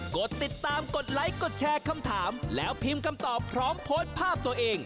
กดติดตามกดไลค์กดแชร์คำถามแล้วพิมพ์คำตอบพร้อมโพสต์ภาพตัวเอง